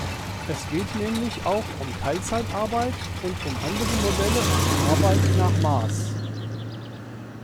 Es geht nämlich auch um Teilzeitarbeit und um andere Modelle einer Arbeit nach Maß.